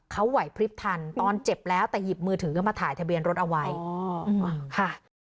เขาไหวพลิบทันตอนเจ็บแล้วแต่หยิบมือถือกันมาถ่ายทะเบียนรถเอาไว้อ๋อค่ะ